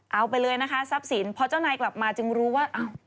เอาไปเลยนะคะทรัพย์สินพอเจ้านายกลับมาจึงรู้ว่า